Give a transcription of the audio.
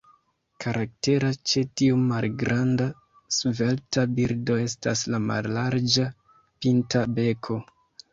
Karaktera ĉe tiu malgranda, svelta birdo estas la mallarĝa, pinta beko.